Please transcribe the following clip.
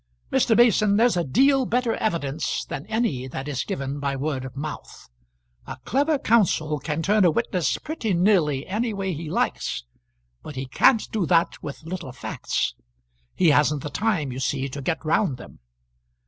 Mr. Mason, there's a deal better evidence than any that is given by word of mouth. A clever counsel can turn a witness pretty nearly any way he likes, but he can't do that with little facts. He hasn't the time, you see, to get round them.